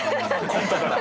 コントから。